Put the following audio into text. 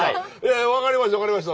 わかりましたわかりました。